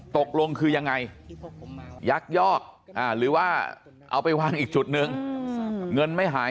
ตกลงคือยังไงยักยอกหรือว่าเอาไปวางอีกจุดนึงเงินไม่หาย